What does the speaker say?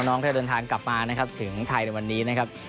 น้องที่จะเดินทางกลับมาถึงไทยในวันนี้นะครับ